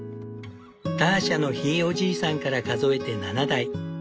ターシャのひいおじいさんから数えて７代。